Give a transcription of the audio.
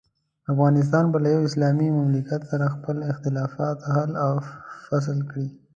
افغانستان به له یوه اسلامي مملکت سره خپل اختلافات حل او فصل کړي.